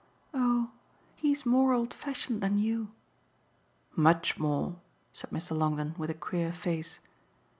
"Oh he's more old fashioned than you." "Much more," said Mr. Longdon with a queer face.